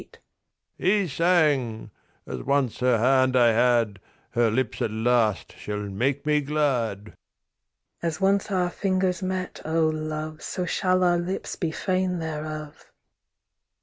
THE RAVEN He sang: As once her hand I had, Her lips at last shall make me glad. THE KING'S DAUGHTER As once our fingers met, O love, So shall our lips be fain thereof.